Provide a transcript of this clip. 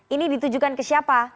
ini ditujukan ke siapa